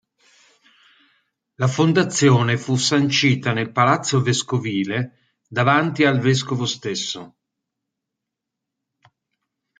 La fondazione fu sancita nel palazzo vescovile davanti al vescovo stesso.